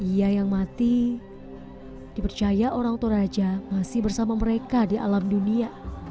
ia yang mati dipercaya orang toraja masih bersama mereka di alam dunia